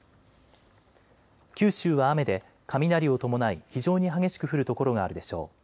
九州は雨で雷を伴い非常に激しく降る所があるでしょう。